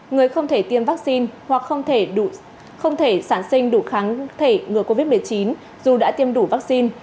người không thể tiêm vaccine hoặc không thể sản sinh đủ kháng thể ngừa covid một mươi chín dù đã tiêm đủ vaccine